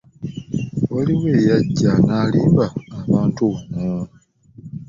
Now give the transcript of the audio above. Waliwo eyajja n'alimba abantu wano.